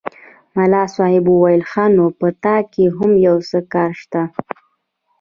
ملا صاحب وویل ښه! نو په تا کې هم یو څه کار شته.